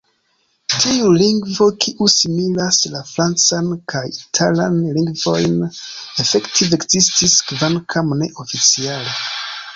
Tiu lingvo, kiu similas la francan kaj italan lingvojn, efektive ekzistis, kvankam ne oficiale.